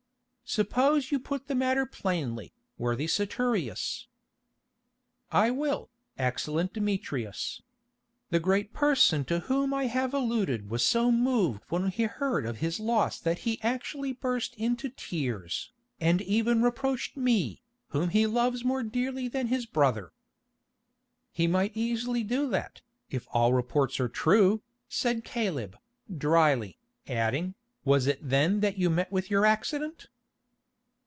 "Suppose you put the matter plainly, worthy Saturius." "I will, excellent Demetrius. The great person to whom I have alluded was so moved when he heard of his loss that he actually burst into tears, and even reproached me, whom he loves more dearly than his brother——" "He might easily do that, if all reports are true," said Caleb, drily, adding, "Was it then that you met with your accident?"